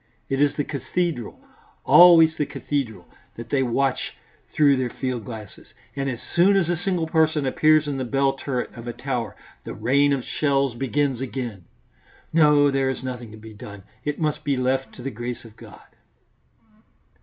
It is the cathedral, always the cathedral, that they watch through their field glasses, and as soon as a single person appears in the bell turret of a tower the rain of shells begins again. No, there is nothing to be done. It must be left to the grace of God."